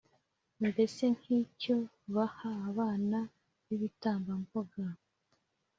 mbese nk’icyo baha abana b’ibitambambuga.